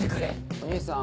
お義兄さん